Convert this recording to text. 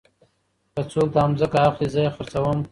که څوک داځمکه اخلي زه يې خرڅوم.